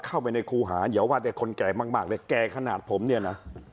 เข้าไปในครูหาอย่าว่าแต่คนแก่มากเลยแก่ขนาดผมเนี่ยนะ